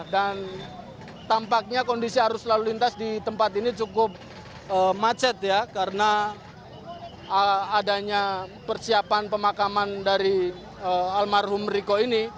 dan tampaknya kondisi arus lalu lintas di tempat ini cukup macet ya karena adanya persiapan pemakaman dari almarhum riko ini